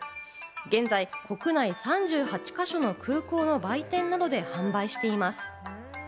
現在、国内３８か所の空港の売店などで販売しています。